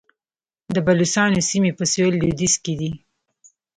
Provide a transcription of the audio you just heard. د بلوڅانو سیمې په سویل لویدیځ کې دي